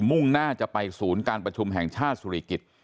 มุ่งหน้าจะไปศูนย์การประชุมแห่งชาติสุริกิจ